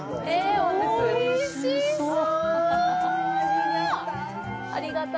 おいしい！